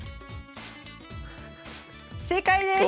正解です。